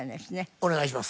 お願いします。